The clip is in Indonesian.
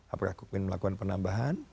apakah cookmin melakukan penambahan